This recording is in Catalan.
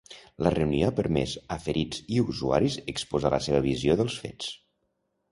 La reunió ha permès a ferits i usuaris exposar la seva visió dels fets.